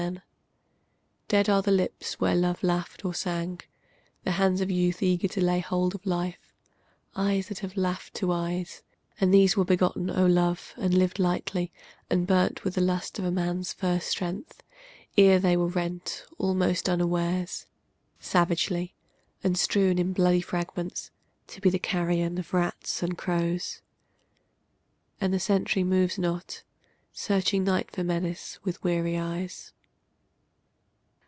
POETS MILITANT 271 Dead are the lips where love laughed or sang, The hands of youth eager to lay hold of life, Eyes that have laughed to eyes, And these were begotten, O Love, and lived lightly, and burnt With the lust of a man's first strength : ere they were rent, Almost at unawares, savagely ; and strewn In bloody fragments, to be the carrion Of rats and crows. And the sentry moves not, searching Night for menace with weary eyes.